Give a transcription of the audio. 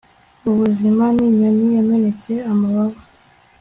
ubuzima ninyoni yamenetse amababa